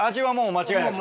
間違いない。